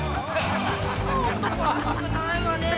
男らしくないわね。